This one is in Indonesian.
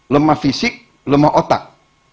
lemah fisik lemah otak